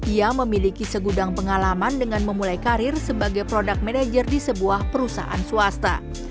ia memiliki segudang pengalaman dengan memulai karir sebagai product manager di sebuah perusahaan swasta